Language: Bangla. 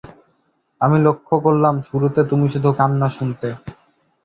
আমি লক্ষ করলাম শুরুতে তুমি শুধু কান্না শুনতে।